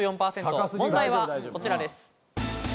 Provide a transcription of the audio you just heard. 問題はこちらです。